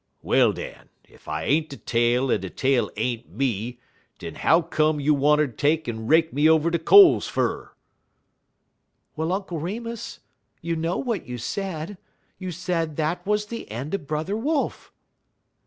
Well, den, ef I ain't de tale en de tale ain't me, den how come you wanter take'n rake me over de coals fer?" "Well, Uncle Remus, you know what you said. You said that was the end of Brother Wolf."